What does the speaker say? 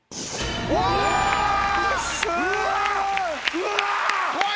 うわ！